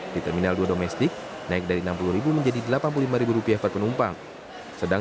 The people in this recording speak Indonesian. di terminal dua domestik naik dari enam puluh menjadi delapan puluh lima rupiah per penumpang sedang